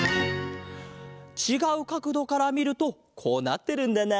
ちがうかくどからみるとこうなってるんだな。